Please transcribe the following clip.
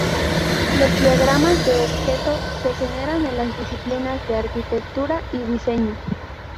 Los diagramas de objetos se generan en las disciplinas de Arquitectura y diseño.